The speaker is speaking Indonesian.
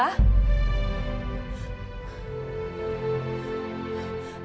amin ya allah